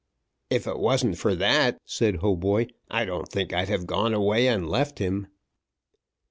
"If it wasn't for that," said Hautboy, "I don't think I'd have gone away and left him."